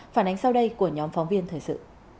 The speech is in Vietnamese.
phản ánh sau đây của nhóm phóng viên thời sự